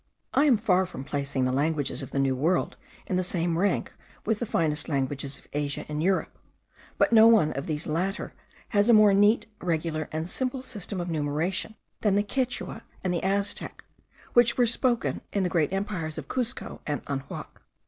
I am far from placing the languages of the New World in the same rank with the finest languages of Asia and Europe; but no one of these latter has a more neat, regular, and simple system of numeration, than the Quichua and the Aztec, which were spoken in the great empires of Cuzco and Anahuac.